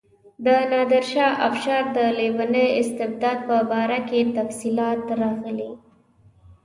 د نادرشاه افشار د لیوني استبداد په باره کې تفصیلات راغلي.